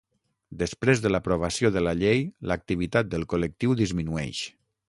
Després de l'aprovació de la llei l'activitat del col·lectiu disminueix.